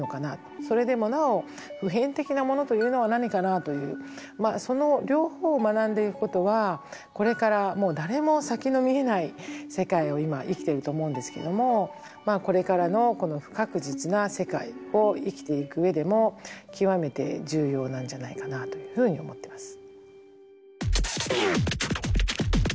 それでもなお普遍的なものというのは何かなというその両方を学んでいくことはこれからもう誰も先の見えない世界を今生きていると思うんですけどもこれからの不確実な世界を生きていく上でも極めて重要なんじゃないかなというふうに思ってます。